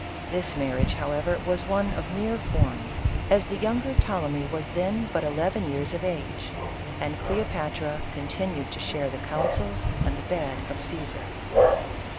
This marriage, however, was one of mere form, as the younger Ptole my was then but eleven years of age ; and Cleopatra continued to share the counsels and the bed of Caesar.